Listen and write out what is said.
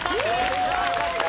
よかった。